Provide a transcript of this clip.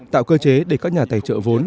tạo cơ chế để các nhà tài trợ vốn